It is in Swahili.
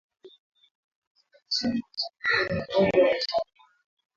Brigedia Sylvain Ekenge jeshi la Demokrasia ya Kongo lilisema kwamba